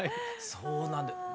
そうなんだ。